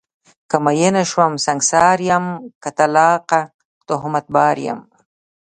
که میینه شوم سنګسار یم، که طلاقه تهمت بار یم